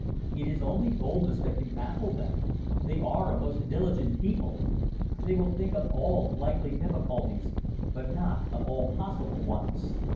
It is only boldness that can baffle them. They are a most diligent people. They will think of all likely difficulties, but not of all possible ones.